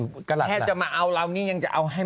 นี่นี่นี่